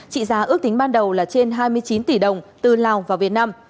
trị giá ước tính ban đầu là trên hai mươi chín tỷ đồng từ lào vào việt nam